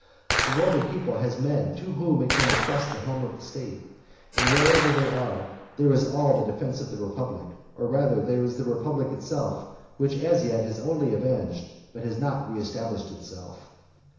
The Roman people has men to whom it can entrust the helm of the state, and wherever they are, there is all the defence of the republic, or rather, there is the republic itself, which as yet has only avenged, but has not reestablished itself.